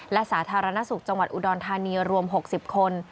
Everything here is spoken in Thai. และสาธารณสุขจังหวัดอุดรธานีรวม๖๐คน